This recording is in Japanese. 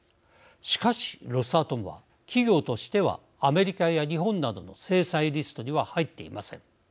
しかしロスアトムは企業としてはアメリカや日本などの制裁リストには入っていません。